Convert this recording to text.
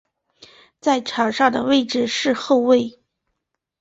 在场上的位置是后卫。